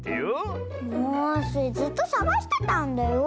もうスイずっとさがしてたんだよ！